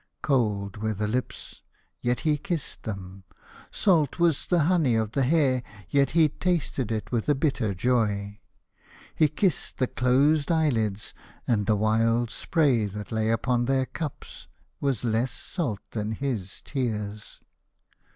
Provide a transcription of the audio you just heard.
Cold were the lips, yet he kissed them. Salt was the honey of the hair, yet he tasted it with a bitter joy. He kissed the closed eyelids, and the wild spray that lay upon their cups was less salt than his tears.